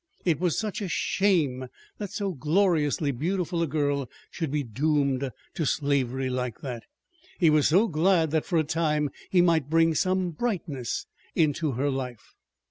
It was such a shame that so gloriously beautiful a girl should be doomed to a slavery like that! He was so glad that for a time he might bring some brightness into her life!